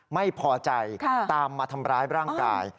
ไม่พอใจตามมาทำร้ายร่างกาย